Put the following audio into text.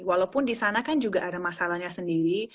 walaupun di sana kan juga ada masalahnya sendiri